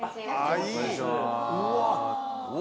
うわ！